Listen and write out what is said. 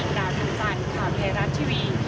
อิงดาธรรมจันทร์ข่าวเพรราะทีวี